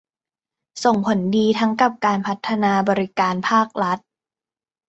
ส่งผลดีทั้งกับการพัฒนาบริการภาครัฐ